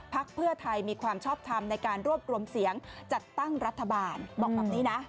เพื่อไทยมีความชอบทำในการรวบรวมเสียงจัดตั้งรัฐบาลบอกแบบนี้นะ